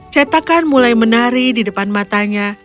cetakan mulai menari di depan matanya